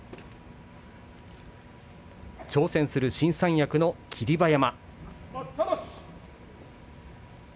挑戦する新三役、霧馬山。